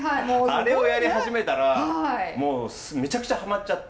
あれをやり始めたらもうめちゃくちゃハマっちゃって。